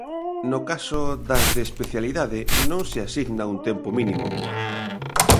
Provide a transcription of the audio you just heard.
No caso das de especialidade, non se asigna un tempo mínimo.